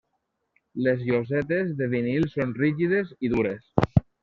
Les llosetes de vinil són rígides i dures.